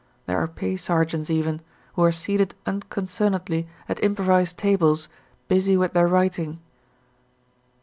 There are pay sergeants even, who are seated unconcernedly at improvised tables, busy with their writing.